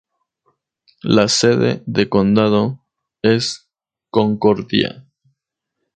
La sede de condado es Concordia.